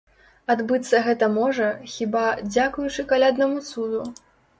Адбыцца гэта можа, хіба, дзякуючы каляднаму цуду.